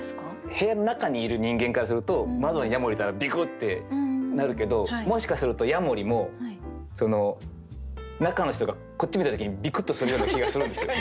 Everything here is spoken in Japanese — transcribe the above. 部屋の中にいる人間からすると窓にヤモリいたらビクッてなるけどもしかするとヤモリも中の人がこっち見た時にビクッとするような気がするんですよ。